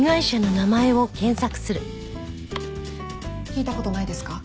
聞いた事ないですか？